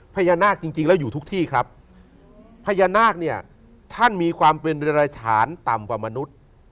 พญานาคจริงจริงแล้วอยู่ทุกที่ครับพญานาคเนี่ยท่านมีความเป็นราชานต่ำกว่ามนุษย์